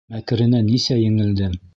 Мәкеренән нисә еңелдем.